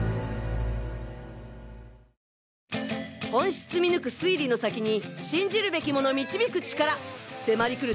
本質見抜く推理の先に信じるべきもの導く力迫り来る